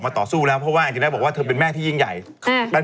มีชัยโรแล้วก็เป็นฝากแฝด